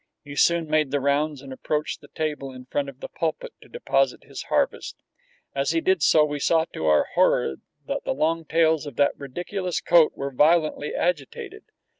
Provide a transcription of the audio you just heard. He soon made the rounds and approached the table in front of the pulpit to deposit his harvest. As he did so we saw to our horror that the long tails of that ridiculous coat were violently agitated.